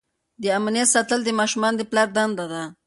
د امنیت ساتل د ماشومانو د پلار دنده ده.